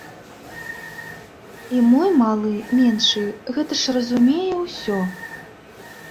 І мой малы, меншы, гэта ж разумее ўсё.